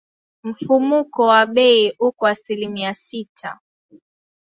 Mfumuko wa bei uko asilimia sita.